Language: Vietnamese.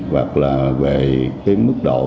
hoặc là về mức độ